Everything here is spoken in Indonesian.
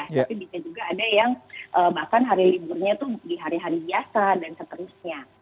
tapi bisa juga ada yang bahkan hari liburnya itu di hari hari biasa dan seterusnya